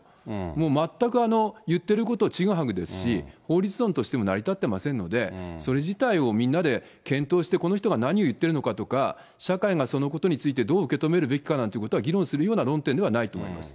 もう全く言ってることちぐはぐですし、法律論としても成り立っていませんので、それ自体をみんなで検討して、この人が何を言ってるのかとか、社会がそのことについてどう受け止めるべきかなんていうことは、議論するような論点ではないと思います。